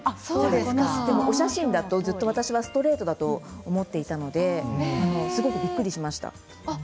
お写真だと私はストレートだと思っていたのですごくびっくりしました。